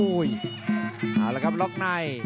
เอาละครับล็อกใน